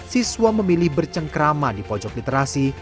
siswa memilih bercengkrama di pojok literasi